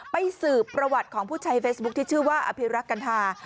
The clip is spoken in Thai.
สืบประวัติของผู้ใช้เฟซบุ๊คที่ชื่อว่าอภิรักษ์กัณฑา